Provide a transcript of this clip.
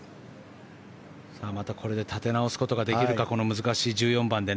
また、これで立て直すことができるかこの難しい１４番で。